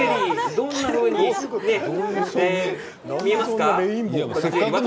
どんなふうに見えますか。